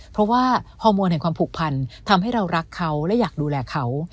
เพราะว่าฮอร์โมนแห่งความผูกพันทำให้เรารักเขาและอยากดูแลเขา